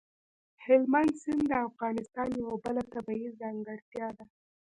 هلمند سیند د افغانستان یوه بله طبیعي ځانګړتیا ده.